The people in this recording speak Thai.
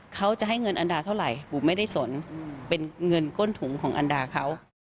เขาจะให้เงินอันดาเท่าไหร่บุ๋มไม่ได้สนเป็นเงินก้นถุงของอันดาเขา